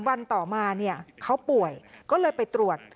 วันต่อมาเขาป่วยก็เลยไปตรวจ